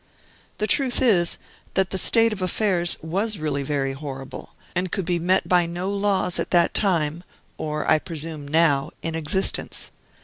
The truth is, that the state of affairs was really very horrible, and could be met by no laws at that time (or I presume now) in existence.